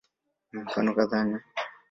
Mifano kadhaa ni